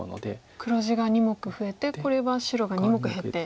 黒地が２目増えてこれは白が２目減って。